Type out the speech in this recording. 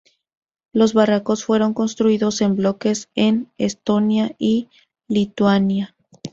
Los barcos fueron construidos en bloques en Estonia y Lituania.